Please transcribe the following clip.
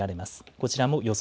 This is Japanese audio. こちらも予想